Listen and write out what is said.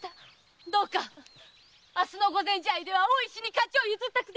〔どうか明日の御前試合で大石に勝ちを譲ってくださりませ！〕